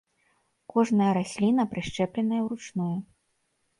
Кожная расліна прышчэпленая ўручную.